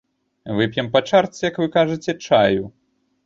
Вып'ем па чарцы, як вы кажаце, чаю.